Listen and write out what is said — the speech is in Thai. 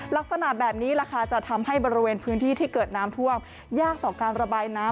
ลักษณะแบบนี้แหละค่ะจะทำให้บริเวณพื้นที่ที่เกิดน้ำท่วมยากต่อการระบายน้ำ